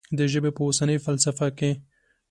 د ژبې په اوسنۍ فلسفه کې.